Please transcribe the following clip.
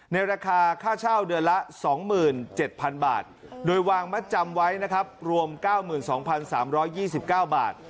ในราคาค่าเช่าเดือนละ๒๗๐๐บาทโดยวางมัดจำไว้นะครับรวม๙๒๓๒๙บาท